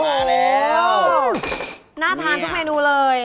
น่าทานทุกเมนูเลย